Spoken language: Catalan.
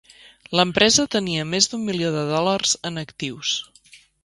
L'empresa tenia més d'un milió de dòlars en actius.